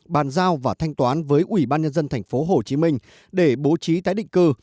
bàn giao và thanh toán với ủy ban nhân dân tp hcm để bố trí tái định cư